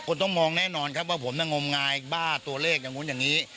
ต้องมองแน่นอนครับว่าผมน่ะงมงายบ้าตัวเลขอย่างนู้นอย่างนี้